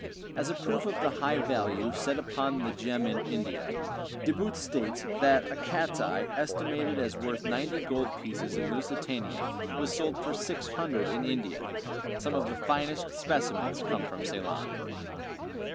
As a proof of the high value set upon the gem in India, De Boot states that a cat's eye estimated as worth ninety gold pieces in Lusitania was sold for six hundred in India. Some of the finest specimens come from Ceylon.